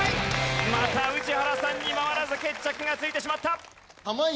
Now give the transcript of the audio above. また宇治原さんに回らず決着がついてしまった。